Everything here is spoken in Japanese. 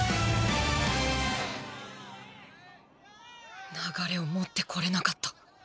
心の声流れを持ってこれなかった。